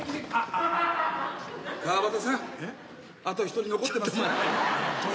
あと一人残ってますよ。